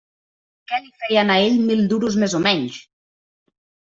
Què li feien a ell mil duros més o menys!